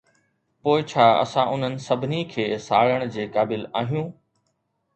پوء ڇا اسان انهن سڀني کي ساڙڻ جي قابل آهيون؟